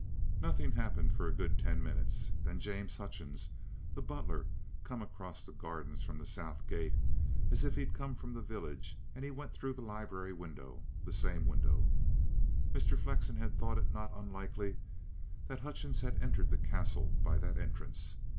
"Nothing 'appened for a good ten minutes. Then James Hutchings, the butler, come across the gardens from the south gate, as if 'e'd come from the village, and 'e went in through the libery winder the same winder." Mr. Flexen had thought it not unlikely that Hutchings had entered the Castle by that entrance.